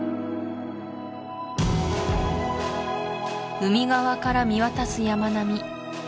海側から見渡す山並み